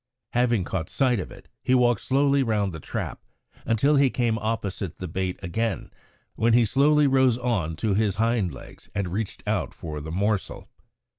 Having caught sight of it, he walked slowly round the trap until he came opposite the bait again, when he slowly rose on to his hind legs and reached out for the morsel.